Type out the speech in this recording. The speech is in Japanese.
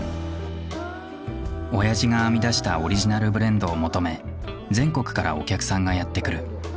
おやじが編み出したオリジナルブレンドを求め全国からお客さんがやって来る。